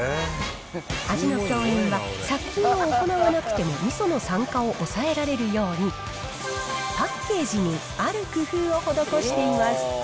味の饗宴は、殺菌を行わなくてもみその酸化を抑えられるように、パッケージにある工夫を施しています。